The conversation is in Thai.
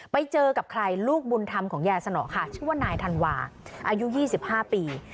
ไปเจอกับใครลูกบุญธรรมของยายสนอค่ะชื่อว่านายธันวาอายุ๒๕ปี